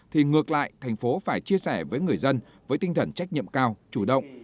thì ngược lại thành phố phải chia sẻ với người dân với tinh thần trách nhiệm cao chủ động